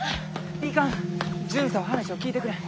いかん巡査は話を聞いてくれん！